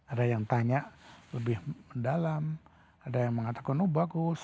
ada yang tanya lebih mendalam ada yang mengatakan oh bagus